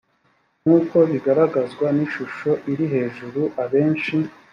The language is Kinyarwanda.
nkuko bigaragazwa n ishusho iri hejuru abenshi